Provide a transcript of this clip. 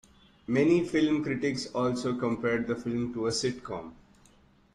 Many film critics also compared the film to a sitcom.